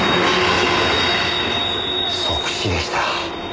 即死でした。